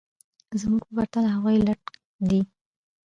زموږ په پرتله هغوی لټ دي